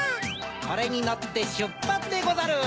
これにのってしゅっぱつでござる！